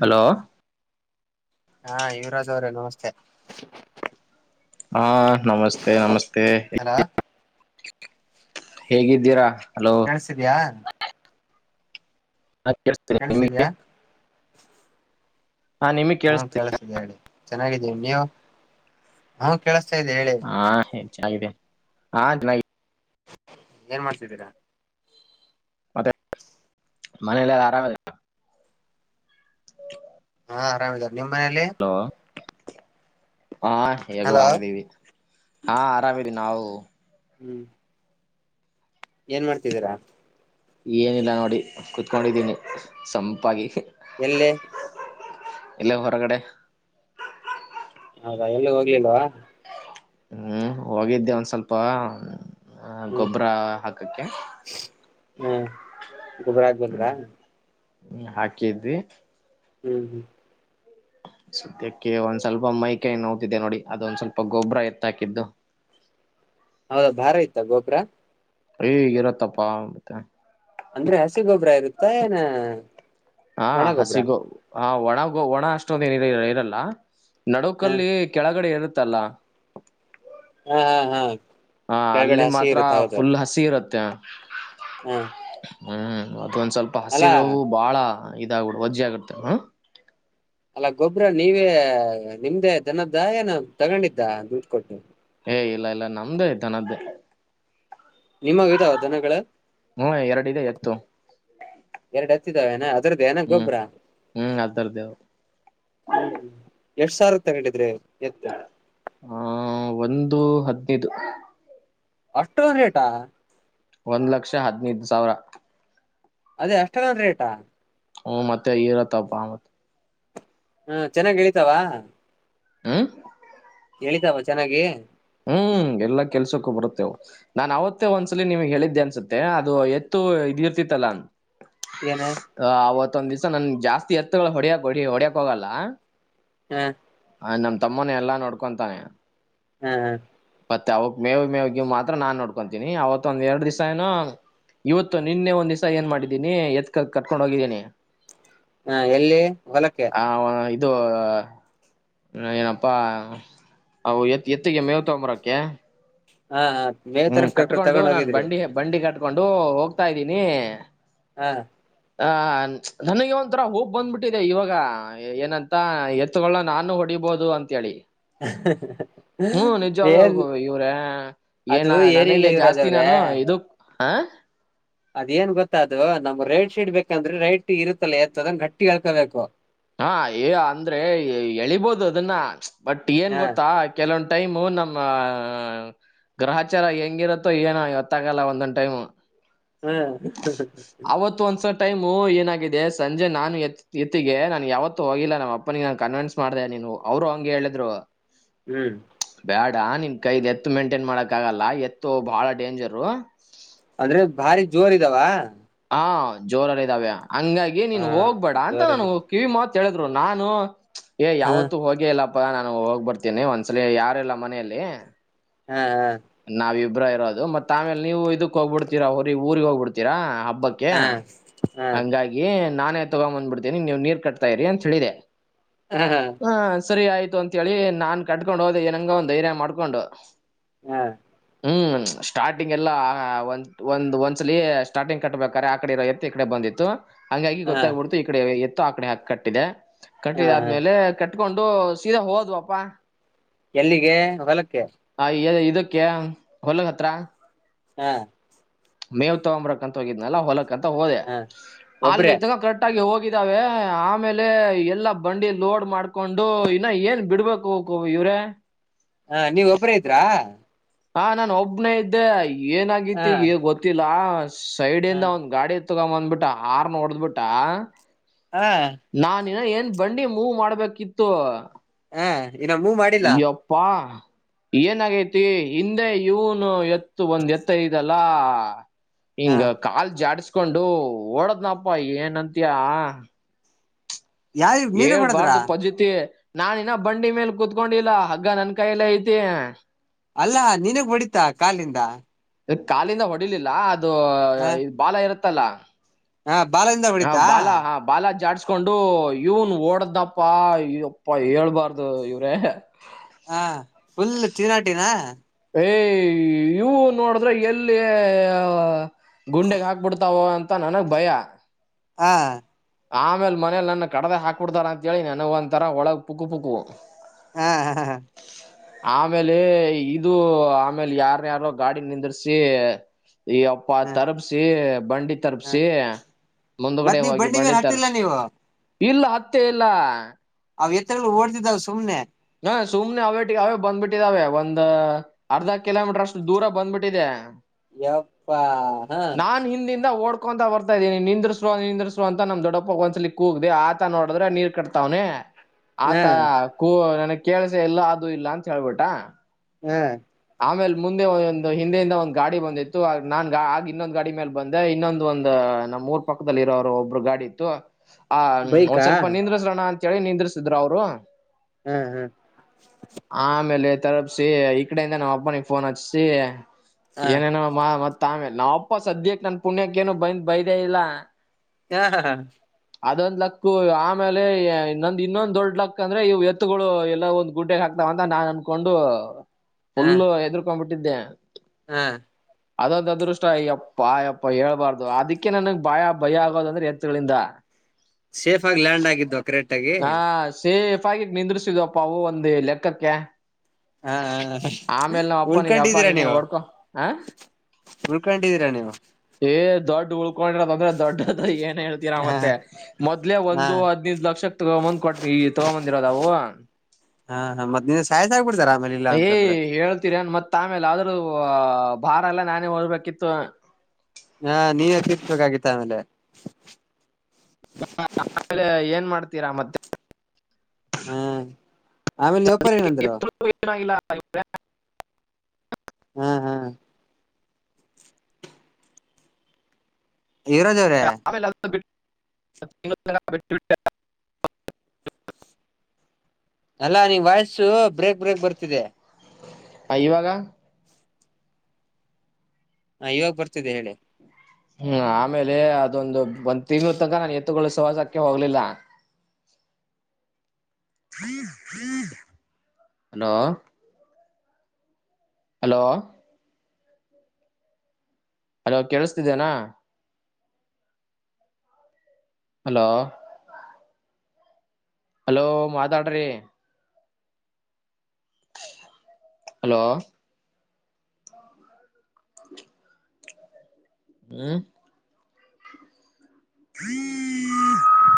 Hello ಹಾ ಯುವರಾಜ್ ಅವ್ರೇ ನಮಸ್ತೆ. ಹಾ ನಮಸ್ತೆ ನಮಸ್ತೆ ಹಲೋ ಹೇಗಿದ್ದೀರಾ ಹಲೋ ಕಳ್ಸಿತಿದ್ಯ ಕೇಳಸಿದ್ಯಾ [unintelligible] ನಿಮಗ್ ಹಾ ಕೇಳಿಸ್ತಿ ಕಳ್ಸತಿದೆ ಹೇಳಿ ಚೆನ್ನಾಗಿದ್ದೀ ನೀವು ಹಾ ಕೇಳಸ್ತಾ ಇದಿ ಹೇಳಿ. ಚೆನಗಿದೆ ಹಾ ಚನಗಿದೆ ಏನ್ ಮಾಡ್ಸಿದ್ದೀರಾ [unintelligible] ಮತ್ತೆ [unintelligible] ಮನೆಯಲ್ಲಿ ಆರಾಮದ [inaudible] ಹಾ ಅರಮಿದರ ನಿಮ್ಮ್ ಮನೇಲಿ ಹಲೋ ಹಾ ಹೇಗೋ ಹಲೋ ಆರಾಮದೀವಿ [unintelligible] ಹಾ ಆರಾಮಿದಿ ನಾವು ಹ್ಮ್ ಏನ್ ಮಾಡ್ತಿದ್ದೀರಾ ಏನಿಲ್ಲ ನೋಡಿ ಕುತ್ಕೊಂಡಿದ್ದೀನಿ ಸಂಪಾಗಿ ಎಲ್ಲಿ ಇಲ್ಲೆ ಹೊರ್ಗಡೆ ಹೌದಾ ಎಲ್ಲೂ ಹೋಗ್ಲಿಲ್ವಾ ಹ್ಮ್ ಹೋಗಿದ್ದೆ ಒಂದ್ ಸ್ವಲ್ಪ ಹ ಹ್ಮ್ ಗೋಬ್ರಾ ಹಾಕಕ್ಕೆ ಹ್ಮ ಗೊಬ್ಬರ ಆಕ್ ಬಂದ್ರಾ ಹ್ಮ ಹಾಕಿದ್ವಿ ಹ್ಮ್ ಹ್ಮ್ [inaudible] ಸದ್ಯಕ್ಕೆ ಒಂದ್ ಸ್ವಲ್ಪ ಮೈ ಕೈ ನೋಯ್ತಿದೆ ನೋಡಿ ಅದೊಂದ್ ಸ್ವಲ್ಪ ಗೊಬ್ಬರ ಎತ್ತಹಾಕಿದ್ದು. ಹೌದಾ ಭಾರ ಇತ ಗೋಬ್ರ ಏ ಇರತ್ತಪ ಅಂದ್ರೆ ಹಸಿ ಗೊಬ್ರ ಇರುತ್ತಏನ ಹಾ ಹಸಿಗೋ ಹಾ ಒಣಗೋ ಒಣ ಅಷ್ಟೊಂದ ಏನ ಇರಲ್ಲ ಹ ನಡುಕಲ್ಲಿ ಕೆಳಗಡೆ ಇರುತ್ತಲ್ಲ ಹಾ ಹಾ್ ಹಾ ಅಲ್ಲಿ ಮಾತ್ರ ಫುಲ್ ಹಸಿ ಇರತ್ತೆ ಹಾ ಹ್ಮ್ ಅದೊಂದ್ ಸ್ವಲ್ಪ ಹಸಿರುವು ಬಾಳ ಇದಾಗಬ ವಜ್ಜಿ ಆಗಡ್ತೇವೆ ಹ್ಮ ಅಲ್ಲ ಗೊಬ್ಬ್ರ ನೀವೇ ನಿಮ್ದೇ ದನದ ಏನ ತಗೊಂಡಿದ್ದ ದುಡ್ಡು ಕೊಟ್ಟು ಏ ಇಲ್ಲ ಇಲ್ಲ ನಮ್ಡೆ ದನದ್ದು. ನಿಮಗ ಇದಾವ ದನಗಳ ಹ್ಮ ಎರಡಿದೆ ಎತ್ತು [unintelligible] ಎರಡು ಹತ್ತಿದಾವೆನ ಅದ್ರದ್ದು ಏನ ಹ್ಮ್ ಗೊಬ್ಬ್ರ ಹ್ಮ್ ಅದರ್ದೇವು [unintelligible] ಹ್ಮ್ ಎಷ್ಟಸಾವಿರ್ಕ ತಗೊಂಡಿದ್ರಿ ಎತ್ತ ದು ಹದಿನೈದು ಅಷ್ಟೊಂದು ರೇಟಾ ಒಂದ್ ಲಕ್ಷ ಹದನೈದು ಸಾವ್ರ ಅದ ಅಷ್ಟನದ ರೇಟಾ ಹ್ಮ ಮತ್ತೆ ಇರತ್ತಪ್ಪ ಮತ್ ಹ್ಮ ಚೆನಾಗೆಳಿತವಾ ಹ್ಮ್ ಹೇಳಿತಾವ ಚೆನಗಿ ಹ್ಮ್ ಎಲ್ಲಾ ಕೆಲ್ಸಕ್ಕೂ ಬರುತ್ತೇವೆ ನಾನ್ ಅವತ್ತೇ ಒಂದ್ಸಲಿ ನಿಮಗೆ ಹೇಳಿದ್ದೆ ಅನ್ಸುತ್ತೆ ಅದು ಎತ್ತು ತಿಯರ್ತಿ ತಲಾ ಏನ ಹ ಅವತ್ತೊಂದ್ ದಿವ್ಸ ನನ್ ಜಾಸ್ತಿ ಎತ್ತಗಳು ಹೊಡ್ಯಕ್ ಹೊ ಹೊಡ್ಯಕ್ ಹೋಗಲ್ಲ ಹಾ ತಮ್ಮನ ಎಲ್ಲಾ ನೋಡ್ಕೊತಾನೆ ಹ್ಮ್ ಹ ಮತ್ತೆ ಅವಕ್ ಮೇವ್ ಮೇವ್ಗೆ ಮಾತ್ರ ನಾನ್ ನೋಡ್ಕೊಂತೀನಿ ಅವತ್ ಒಂದ ಎರಡ್ ದಿವ್ಸ ಏನೋ ಇವತ್ತು ನಿನ್ನೆ ಒಂದ್ ದಿಸ ಏನ್ ಮಾಡಿದ್ದೀನಿ ಎತ್ಕ ಕರ್ಕೊಂಡ ಹೋಗಿದಿನಿ ಹಾ ಎಲ್ಲಿ ಹೊಲಕ್ಕೆೆ ವ- ಇದು ಏನಪ್ಪಾ ಅವು ಎತ್ ಎತ್ತಿಗೆ ಮೇವ ತೊಂಬರ ಯಾ ಹಾ ಮೇವ್ ತರ ತಗೊಂಡ್ ಹೋಗಿದ್ರಿ ಕೊಂಡು ಹೋಗ್ತಾ ಇದ್ದೀನಿ ಹಾ ಆ ನನಗೆ ಒಂಥರ ಹೋಪ್ ಬಂದ್ಬಿಟ್ಟಿದೆ ಇವಾಗ ಏನಂತ ಎತ್ತುಗಳ ನಾನು ಹೊಡಿ ಬಹುದು ಅಂತ ಹೇಳಿ ಹ ಹ್ಮ ನಿಜಾವಾಗ್ಲೂ ಇವ್ರೇ ಅದು ಏನ ಏನಿಲ್ಲ ನನಗೆ ಯುವರಾಜ್ ಜಾಸ್ತಿ ನಾನು ಇದಕ್ ಆ ಅದೇಏನ್ ಗೊತ್ತದು ನಮ್ ರೇಟ್ ಶೀಟ್ ಬೇಕಂದ್ರೆ ರೇಟ್ ಇರುತ್ತಲ್ಲ ಎತ್ತದಂಗ ಗಟ್ಟಿ ಹೇಕೋಬೇಕು ಹಾ ಅಂದ್ರೆ ಎಳಿಬೋದು ಅದನ್ನ ಬಟ್ ಏನ್ ಹ ಗೊತ್ತಾ ಕೆಲವಂ ಟೈಮು ನಮ್ಮ ಗ್ರಹಚಾರ ಹೆಂಗಿರತ್ತೋ ಏನ ಇತ್ತಾಗಲ್ಲ ಒಂದೊಂದು ಟೈಮ್ ಹಾ ಒಂದ್ಸ ಟೈಮು ಏನಾಗಿದೆ ಸಂಜೆ ನಾನು ಎತ್ತಿಗೆ ನ ನನ್ ಯಾವತ್ತೂ ಹೋಗಿಲ್ಲ ನಮ್ಮ ಅಪ್ಪನಿಗೆ ನಾನನ್ ಕನ್ವಿನ್ಸ್ ಮಾಡ್ದ ನೀನು ಅವರು ಹಂಗಗೆ ಹೇಳಿದ್ರು ಹ್ಮ್ ಬ್ಯಾಡ ನಿನ್ ಕೈದು ಎತ್ತು ಮೇಂಟೈನ್ ಮಾಡಕ್ ಆಗಲ್ಲ ಎತ್ತು ಬಹಳ ಡೇಂಜರು ಅಂದ್ರೆ ಭಾರಿ ಜೋರ್ ಇದಾವ ಹಾ ಜೋರಾರ ಇದಾವೆ ಹಂಗಾಗಿ ಹ ನೀನ್ ಹೋಗ್ಬೇಡ ಅಂತ ನಾನು ಜೋರಲ್ಲಿ ಕಿವಿಮತ್ ಹೇಳಿದ್ರು ನಾನು ಏ ಹ ಯಾವತ್ತು ಹೋಗಿ ಇಲ್ಲಪ್ಪ ನಾನು ಹೋಗ್ಬರ್ತೀನಿ ಒಂದ್ಸಲ ಯಾರಲ್ಲ ಮನೆಯಲ್ಲಿ ಹಾ ಹಾ ನಾವ ಇಬ್ರ ಇರೋದು ಮತ್ತತ್ ಆಮೇಲೆ ನೀವು ಇದಕ್ ಹೋಗ್ಬಿಡ್ತೀರಾ ಹೊ ಊರಿಗೆ ಹೋಗ್ಬಿಡ್ತೀರಾ ಹಬ್ ಹಬ್ಬಕ್ಕೆ ಹಾ ಹಾ ಹಂಗಾಗಿ ನಾನೇ ತಗೊಂಡ್ಂಬಂದ್ಬಿಡ್ತೀನಿ ನೀವ ನೀರ್ ಕಟ್ತಾ ಇರಿ ಅಂತ ಹೇಳಿದೆ ಹ್ಮ್ ಹ್ಮ್ ಹ ಸರಿ ಆಯ್ತು ಅಂತ ಹೇಳಿ ನಾನ್ ಕಟ್ಕೊಂಡ್ ಹೋದ ಏನಂಗ ಒಂದು ಏನ ಮಾಡ್ಕೊಂಡು ಹ್ಮ ಹ್ಞೂ ಸ್ಟಾರ್ಟಿಂಗ್ ಎಲ್ಲ ಒಂದು ಒಂದು ಒಂದ್ಸಲ ಸ್ಟಾರ್ಟಿಂಗ್ ಕಟ್ಟಬೇಕಾರೆೆ ಆ ಕಡೆ ಇರೋ ಎತ್ತ ಈ ಕಡೆ ಬಂದಿತ್ತು ಹಂಗಾಗಿ ಹಾ ಹಾ ಗೊತ್ತಾಗ್ಬಿಡ್ತು ಈ ಕಡೆ ಎತ್ತು ಆಕಡೆ ಹಾಕಿ ಕಟ್ಟಿದೆ ಹಾ ಕಟ್ಟಿದ ಆದ್ಮೇಲೆ ಕಟ್ಟ ಇಟ್ಕೊಂಡು ಸೀದಾ ಹೋದ್ವಪ್ಪಾ ಎಲ್ಲಿಗೆ ಹೊಲಕ್ಕೆ ಹೊಲಗ ಹತ್ರ ಹಾ ಮೇವ್ ತಗೊಂಬರಕಂತ ಹೋಗಿದ್ನಲ್ಲ ಹೊಲಕಂತ ಹೋದೆ ಹಾ ಒಬ್ರೇ ಅಲ್ಲಿ ಕರೆಕ್ಟ್ ಆಗ ಹೋಗ ಇದಾವೆ ಆಮೇಲೆ ಎಲ್ಲ ಬಂಡಿ ಲೋಡ್ ಮಾಡ್ಕೊಂಡು ಇನ್ನ ಏನ್ ಬಿಡ್ಬೇಕು ಹೋಗ ಇವ ಹ್ರ ಹಾ ನೀವ್ ಒಬ್ಬರ ಇದ್ರಾ ಹಾ ನಾನ ಒಬ್ನೇ ಇದ್ದೆ ಹ ಏನಾಗಿತಿ ಈ ಗೊತ್ತಿಲ್ಲ ಹ ಸೈಡಿಂದ ಒಂದ್ ಗಾಡಿ ತಗೊ ಬಂದ್ಬಿಟ್ಟ ಆರ್ನ ಹೊಡ್ದ್ ಬಿಟ್ಟ ಹ ನಾನ ಏನ್ ಬಂಡಿ ಮೂವ್ ಮಾಡ್ಬೇಕಿತ್ತು ಹ ಇನ್ನ ಮೂವ್ ಮಾಡಿಲ್ಲ ಯ್ಯಪ್ಪಾ ಏನಾಗೈತಿ ಹಿಂದೆ ಇವನು ಎತ್ತು ಒಂದ್ ಎತ್ತೈದಲ್ಲ ಹ ಹಿಂಗ ಕಾಲ್ ಜಾಡ್ಸ್ಕೊಂಡು ಓಡದ್ನಪ್ಪ ಏನ ಅಂತಯ ಯಾವ ನೀನಗ್ ಹೊಡದ್ರ ಹೇಳ್ಬಾರ್ದು ಪಜತಿ ನಾ ಇನ್ನ ಬಂಡಿ ಮೇಲ್ ಕುೂತ್ಕೊಂಡಿಲ್ಲಾ ಹಗ್ಗ ನನ್ ಕೈಯಲ್ಲ ಐತಿ ಅಲ್ಲಾ ನೀನಗ್ ಒಡಿತಾ ಕಾಲಿಂದ ಕಾಲಿಂದ ಹೊಡಿಲಿಲ್ಲ ಅದು ಹ ಇ ಬಾಲ ಇರುತ್ತಲ್ಲ ಹ ಬಾಲದಿಂದ ಹ ಹೊಡಿತಾ ಬಾಲಾ ಹಾ ಬಾಲ ಜಾಡ್ಸ್ ಕೊಂಡು ಇವ್ನ್ ಓಡ್ದಪ್ಪಾ ಇಪ್ಪಾ ಹೇಳ್ಬಾರ್ದು ಇವ್ರೇ ಹ ಫುಲ್ ಚಿನಾಟಿನ ಯ ಇವು ನೋಡಿದ್ರೆ ಎಲ್ಲಿ ಗುಂಡಗ್ ಹಾಕ್ಬಿಡ್ತಾವ ಅಂತ ನನಗ್ ಭಯ ಹಾ ಆಮೇಲ್ ಮನೇಲಿ ನನ್ನ ಕಡ್ದ ಹಾಕ್ಬಿಡ್ತಾರ ಅಂತಿ ನನಗ ಒಂಂತರ ಒಳಗ್ ಪುಕ್ಕು ಪುಕ್ಕು ಹಾ ಹಾ ಹಾ ಆಮೇಲೆ ಇದು ಆಮೇಲೆ ಯಾರ್ನ್ ಯಾರೋ ಗಾಡಿ ನಿಂದರ್ಸಿ ಈ ಅಪ್ಪ ತರಪಸಿ ಬಂಡಿ ಹ ತರಪಸಿ ಮುಂದಗಡೆ ಹೋಗಿ ಬಂಡಿ ಗತ್ತಲ್ಲ ತರ್ಬ್ಸಿ ನೀವು ಇಲ್ಲ ಅತ್ತೆ ಇಲ್ಲ ಅವವು ಎರ ಓಡ್ದಿದಾವವು ಸುಮ್ನೆ ಹ ಸುಮ್ನೆ ಅವೇಟ್ಟಿಗೆ ಅವೇ ಬಂದ್ಬಿಟ್ಟಿದ ಅವೆ ಒಂದ್ ಅರ್ಧ ಕಿಲೋಮೀಟರ್ ಅಷ್ಟು ದೂರ ಬಂದ್ಬಿಟ್ಟಿದೆ ಎಪ್ಪಾ ಹಾ ಓಡ್ಕೋಂತ ಬರ್ತಾ ಇದೀನ ನಿರಿಸೋ ನಿರಸರು ಅಂತ ನಮ್ ದೊಡ್ಡಪ್ಪಗ್ ಒಂದ್ಸಲಿ ಕೂಗಿದೆ ಆತ ನೋಡಿದ್ರೆ ನೀರ್ ಕಟ್ತಾವ ಅವನೇ ಹ ಆತ ಕೂ ನನಗ್ ಕೇಳಸ ಎಲ್ಲ ಅದು ಇಲ್ಲ ಅಂತ ಹೇಳ್ಬಿಟ್ಟ ಹ್ಮ್ ಆಮೇಲೆ ಮುಂದೆ ಒ ಒಂದು ಹಿಂದೆಯಿಂದ ಒಂದು್ ಗಾಡಿ ಬಂದಿತ್ತು ನಾನ್ ಆಗ ಇನ್ನೊಂದು ಗಾಡಿ ಮೇಲೆ ಬಂದೆ ಇನ್ನೊಂದ ಒಂದು ನಮ್ಮ್ ಊರ್ ಪಕ್ಕದಲ್ಲಿ ಇರೋರು ಒಬ್ಬರು ಗಾಡಿ ಇತ್ತು ಹ ಒಂದ್ ಬೈಕಾ ಸ್ವಲ್ಪ ಹ ನಿಂದ್ರಿಸ್ರೋಣ ಅಂತ ಹೇಳಿ ನಿಂದ್ರಸಿದ್ರ ಅವ್ರ ಹ್ಮ್ ಹ್ಮ್ ತಲುಪಸಿ ಈ ಕಡೆಯಿಂದ ನಮ್ಮ್ ಅಪ್ಪನಿಗೆ ಫೋನ್ ಹಚ್ರೀಸಿಏನೇನೋ ನಮ್ಮ ಮತ್ತ ತ್ತಮೇಲೆ ನಾವ ಅಪ್ಪ ಸದ್ಯಕ್ಕೆ ನನ್ ಪುಣ್ಯಕ್ಕೇನು ಬಂದ್ ಬೈ್ದೇ ಇಲ್ಲ ಹಾ ಹ ಹಾ ಅದೊಂದ್ ಲಕ್ಕ ಆಮೇಲೆ ಇಂದ್ ಇನ್ನೊಂದ್ ದೊಡ್ ಲಕ್ ಅಂದ್ರೆ ಇವು ಎತ್ತುಗಳು ಎಲ್ಲ ಒಂದ ಗುಡ್ಡೆಗ್ ಹಾಕ್ ಅಂತ ನಾ ಅನ್ಕೊಂಡು ಹಾ ಫುಲ್ಲು ಎದರ್ಕೊಂಡ್ಬಿಟ್ಟಿದ್ದೆ ಹಾ ಅದೊಂದು ಅದೃಷ್ಟ್ಯಪ್ಪ ಅಯ್ಯಪ್ಪ ಹೇಳ್ಬಾರ್ದು ಅದಕ್ಕೆ ನನಗ್ ಭಯ ಭಯ ಆಗೋದ ಅಂದ್ರೆ ಎತ್ಗಳಿಂದ ಸೇಫ್ ಆಗಿ ಯಾಂಡ್ ಆಗಿದ್ದು ಕರೆಕ್ಟ್ ಆಗಿ ಹಾ ಸೇಫ್ ಆಗ ನಿಂದ್ರಸಿದ್ಪ್ಅವು ಒಂದು ಲೆಕ್ಕಕ್ಕೆ ಹಾ ಆಮೇಲೆ ನಾವ್ ಅಪ್ಪನಿಗೆ ಅಪ್ಪ ಉಳ್ಕೊಂಡಿದ್ದೀರಾ ನೀನೇ ನೀವು ಓಡ್ಕೊ ಹ ಉಳ್ಕೊಂಡಿದ್ದೀರಾ ನೀವು ಏ ದೊಡ್ ಉಳ್ಕೊಂಡ್ರ ತೊಂದ್ರೆ ದೊಡ್ಡದ ಏ ಹೇಳ್ತೀರ ಹ ಮತ್ತೆ ಮೊದ್ಲೆ ಹಾ ಒಂದು ಹದ್ನೈದು್ ಲಕ್ಷಕ್ಕ ತಗೊಂಬಂದ್ ಕೊಟ್ಟ ಈ ತಗೊಂಬಂದಿರೋದಾವು ಹಾ ಹಾ ಮತ್ತ ಸಾಯ್ ಆಗ್ಬಡ್ ಯ ಹೇಳ್ತೀರನ್ ಮತ್ತೆ ತಮೇಲೆ ಆದ್ರೂ ಭಾರ ಎಲ್ಲ ನಾನೇ ಹೊರ್ಬೇಕಿತ್ತು ಹಾ ನೀವೇ ತಿಸಬೇಕಾಗಿತ್ತ ಆಮೇಲೆ ಆಮೇಲೆ ಏನ್ ಮಾಡ್ತೀರಾ ಮತ್ತೆ ಹ್ಮ್ ಆಮೇಲೆ ಯಪಾರ ಏನಂದ್ರು ಹ ಹ್ಮ್ ಹ್ಮ್ ಇವರೋಜ ಅವ್ರೇ ಟ್ವಿಟರ್ ಅಲ್ಲಾ ನಿಂಗ್ ವಾಯ್ಸು ಬ್ರೇಕ್ ಬ್ರೇಕ್ ಬರ್ತಿದೆ ಆಯವಾಗ ಹಾ ಇವಾಗ ಬರ್ತಿದೆ ಹೇಳಿ ಹ್ಮ ಹ್ಮ್ ಆಮೇಲೆ ಅದೊಂದು ಒಂದ್ ತಿಂಗಳ ತನಕ ನಾನನ್ ಎತ್ತುಗೊಿಸುವವಾಸಕ್ಕೆ ಹೋಗ್ಲಿಲ್ಲ ಅಲೋ ಹಲೋ ಅಲೋ ಕೇಳಿಸತಿದ್ದೇನಾ ಹಲೋ ಹಲೋ ಮಾತಾಡ್ರಿ ಹಲೋ ಹ್ಮ [unintelligible]